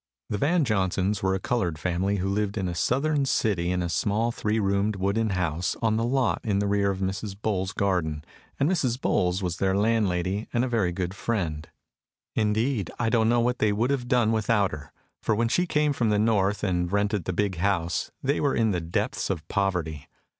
The Van Johnsons were a colored family who lived in a Southern city in a small three roomed wooden house on the lot in the rear of Mrs. Bowles's garden, and Mrs. Bowles was their landlady and very good friend. Indeed, I don't know what they would have done without her, for when she came from the North, and rented the big house, they were in the depths of poverty.